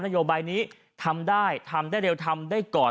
นโยบายนี้ทำได้ทำได้เร็วทำได้ก่อน